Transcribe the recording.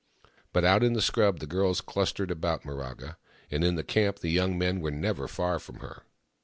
But out in the scrub the girls clustered about Miraga, and in the camp the young men were never far from her.